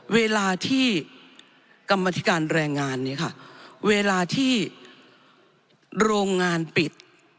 เวลาที่กรรมธิการแรงงานเนี่ยค่ะเวลาที่โรงงานปิด